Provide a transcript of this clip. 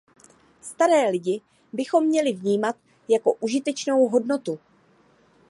Staré lidi bychom měli vnímat jako užitečnou hodnotu.